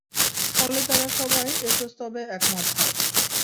ফলে তারা সবাই এ প্রস্তাবে একমত হয়।